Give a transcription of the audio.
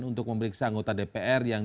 untuk memeriksa anggota dpr yang